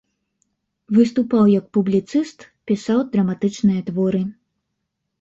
Выступаў як публіцыст, пісаў драматычныя творы.